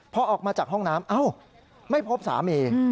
พอออกมาจากห้องน้ำเอ้าไม่พบสามี